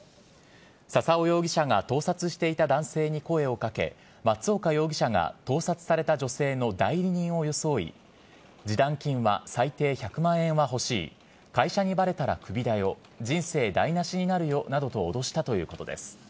笹尾容疑者が盗撮していた男性に声をかけ、松岡容疑者が盗撮された女性の代理人を装い、示談金は最低１００万円は欲しい、会社にばれたら首だよ、人生台なしになるよなどと脅したということです。